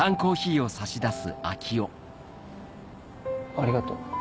ありがとう。